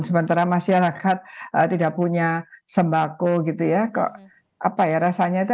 sementara masyarakat tidak punya sembako gitu ya kok apa ya rasanya itu